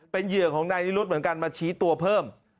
เป็นเหยื่อของนายนิรุธเหมือนกันมาชี้ตัวเพิ่ม